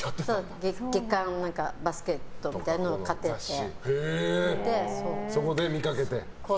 「月刊バスケット」みたいなのそこで見かけて？